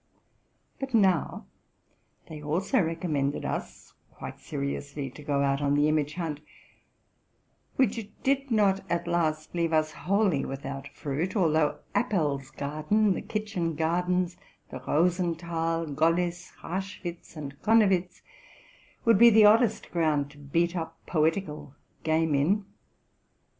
But now they also recom RELATING TO MY LIFE. 231 mended us, quite seriously, to go out on the image hunt, which did not at last leave us wholly without fruit ; although Apel's garden, the kitchen gardens, the Rosenthal, Golis, Raschwitz, and Konnewitz, would be the oddest ground to beat up poetical game in.